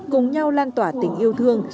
cùng nhau lan tỏa tình yêu thương